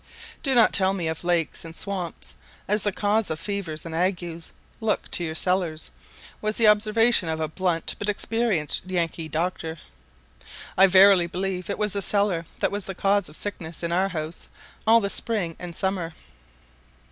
"Do not tell me of lakes and swamps as the cause of fevers and agues; look to your cellars," was the observation of a blunt but experienced Yankee doctor. I verily believe it was the cellar that was the cause of sickness in our house all the spring and summer.